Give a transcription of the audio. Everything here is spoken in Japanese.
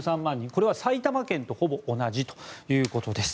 これは埼玉県とほぼ同じということです。